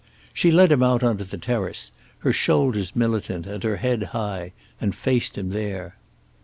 She led him out onto the terrace, her shoulders militant and her head high, and faced him there.